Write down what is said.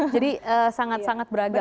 jadi sangat sangat beragam